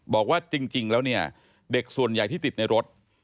บอกว่าจริงแล้วเนี่ยเด็กส่วนใหญ่ที่ติดในรถ